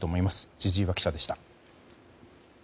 千々岩記者でした。